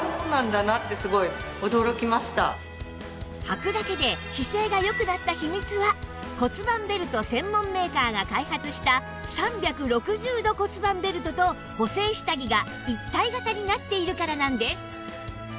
はくだけで姿勢が良くなった秘密は骨盤ベルト専門メーカーが開発した３６０度骨盤ベルトと補整下着が一体型になっているからなんです